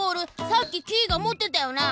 さっきキイがもってたよな？